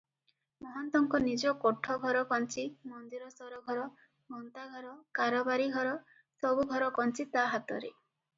ମହନ୍ତଙ୍କ ନିଜ କୋଠଘର କଞ୍ଚି, ମନ୍ଦିର ସରଘର, ଗନ୍ତାଘର, କାରବାରୀ ଘର, ସବୁଘର କଞ୍ଚି ତା ହାତରେ ।